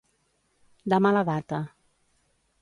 De mala data.